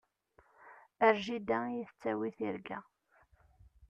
Ar jida i yi-tettawi tirga.